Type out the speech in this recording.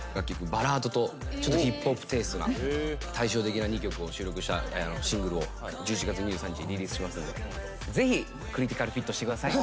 バラードとちょっとヒップホップテイストな対照的な２曲を収録したシングルを１１月２３日にリリースしますのでぜひクリティカルフィットしてください。